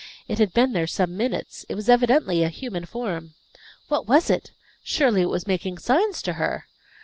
It had been there some minutes; it was evidently a human form. What was it? Surely it was making signs to her!